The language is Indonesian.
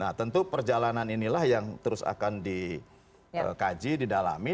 nah tentu perjalanan inilah yang terus akan dikaji didalami